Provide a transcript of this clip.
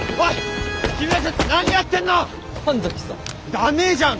ダメじゃん！